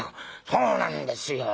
「そうなんですよ。ええ」。